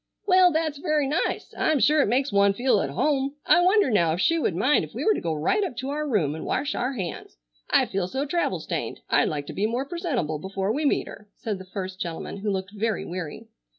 "Well, that's very nice. I'm sure it makes one feel at home. I wonder now if she would mind if we were to go right up to our room and wash our hands. I feel so travel stained. I'd like to be more presentable before we meet her," said the first gentleman, who looked very weary.